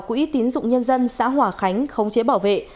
quỹ tín dụng nhân dân xã hỏa khánh không chế bảo vệ